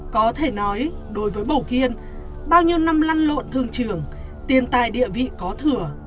có thể nói đối với bầu kiên bao nhiêu năm lăn lộn thương trường tiền tài địa vị có thừa